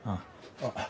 あっ。